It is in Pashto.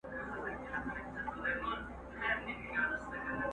که څوک وږي که ماړه دي په کورونو کي بندیان دي٫